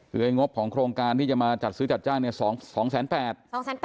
คือไอ้งบของโครงการที่จะมาจัดซื้อจัดจ้างเนี่ย๒๘๐๐